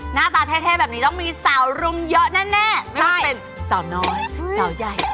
หน้าตาเท่แบบนี้ต้องมีสาวรุมเยอะแน่ไม่ว่าจะเป็นสาวน้อยสาวใหญ่